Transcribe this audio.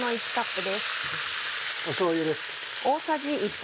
しょうゆです。